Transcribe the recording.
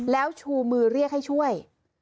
แล้วชูมือเรียกให้ช่วย